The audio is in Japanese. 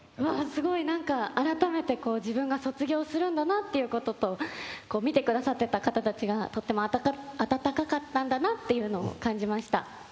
すごい改めて自分が卒業するんだなということと見てくださってた方たちがとても温かかったんだなというのを感じました。